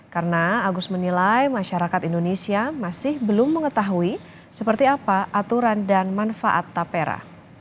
karena agus menilai masyarakat indonesia masih belum mengetahui seperti apa aturan dan manfaat tapera